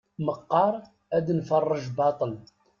Meqqar ad nferreǧ baṭṭel.